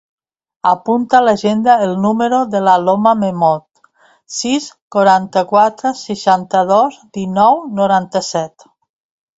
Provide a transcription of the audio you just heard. Apunta a l'agenda el número de l'Aloma Mehmood: sis, quaranta-quatre, seixanta-dos, dinou, noranta-set.